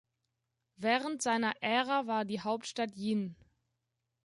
Während seiner Ära war die Hauptstadt Yin.